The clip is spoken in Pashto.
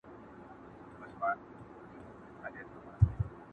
مُلا جانه راته وایه په کتاب کي څه راغلي؛